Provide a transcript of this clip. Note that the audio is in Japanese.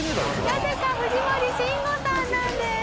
なぜか藤森慎吾さんなんです。